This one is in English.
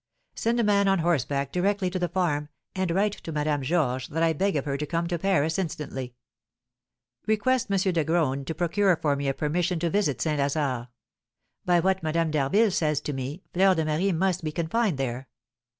Send a man on horseback directly to the farm, and write to Madame Georges that I beg of her to come to Paris instantly. Request M. de Graün to procure for me a permission to visit St. Lazare. By what Madame d'Harville says to me, Fleur de Marie must be confined there.